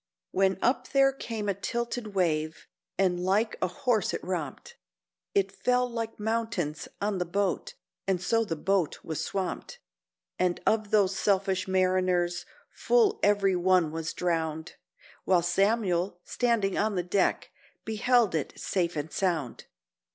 When up there came a tilted wave, and like a horse it romped, It fell like mountains on the boat, and so the boat was swamped; And of those selfish mariners full every one was drowned, While Samuel, standing on the deck, beheld it safe and sound.